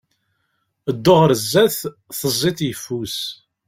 Ddu ɣer sdat, tezziḍ yeffus.